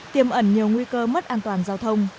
tiêm ẩn nhiều nguy cơ mất an toàn giao thông